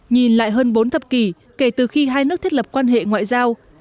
nhìn lại hơn bốn thập kỷ kể từ khi hai nước thiết lập quan hệ ngoại giao